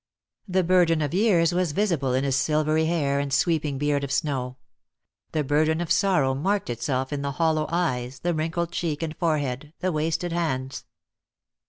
The burden of years was visible in his silvery hair and sweeping beard of snow; the burden of sorrow marked itself in the hollow eyes, the wrinkled cheek and forehead, the wasted hands.